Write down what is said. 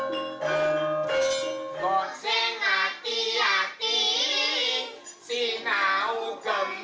di sini chasing dan kebangkangan memudar rekam